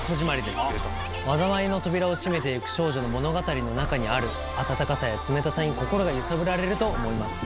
災いの扉を閉めて行く少女の物語の中にある温かさや冷たさに心が揺さぶられると思います。